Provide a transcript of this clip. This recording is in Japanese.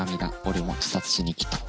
俺も自殺しに来た。